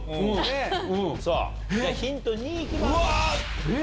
さあ、ヒント２いきます。